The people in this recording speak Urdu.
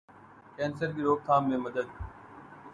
کینسرکی روک تھام میں مدد